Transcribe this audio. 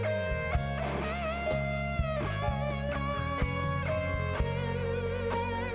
dan penyelamatan di negara asal